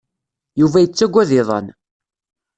Yuba yettagad iḍan.